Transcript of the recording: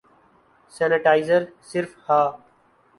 sanitizer صرف ہا